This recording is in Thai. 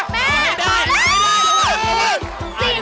๔นาทีอยู่ที่๘๗คน